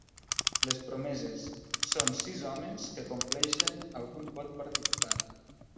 Les promeses: són sis hòmens que compleixen algun vot particular.